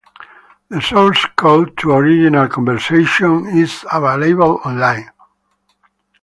The source code to original Conversatron is available online.